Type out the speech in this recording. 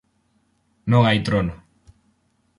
Non hai trono.